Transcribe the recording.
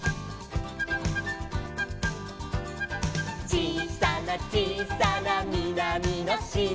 「ちいさなちいさなみなみのしまに」